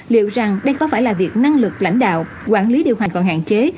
liệu rằng đây có phải là việc năng lực lãnh đạo quản lý điều hành còn hạn chế